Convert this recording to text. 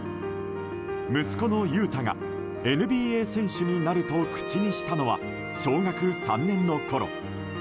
息子の雄太がＮＢＡ選手になると口にしたのは小学３年のころ。